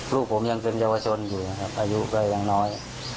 ลูกผมยังเป็นเยาวชนอยู่นะครับอายุก็ยังน้อย